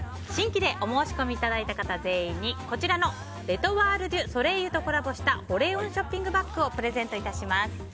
新規でお申し込みいただいた方全員に、こちらのレ・トワール・デュ・ソレイユとコラボした保冷温ショッピングバッグをプレゼント致します。